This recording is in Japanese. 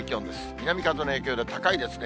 南風の影響で高いですね。